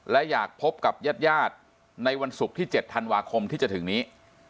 และอยากพบกับญาติญาติในวันศุกร์ที่๗ธันวาคมที่จะถึงนี้